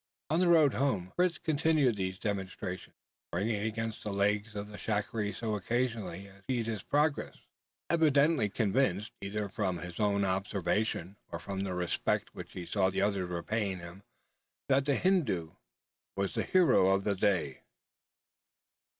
On the road home Fritz continued these demonstrations springing against the legs of the shikaree so as occasionally to impede his progress, evidently convinced either from his own observation or from the respect which he saw the others were paying him that the Hindoo was the hero of the day!